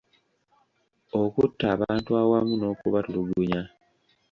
Okutta abantu awamu n'okubatulugunya